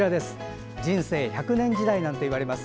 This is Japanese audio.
人生１００年時代なんていわれます。